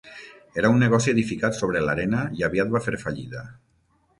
Era un negoci edificat sobre l'arena, i aviat va fer fallida.